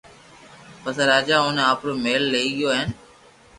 پسو راجا اوني آپرو مھل ۾ لئي گيو ھين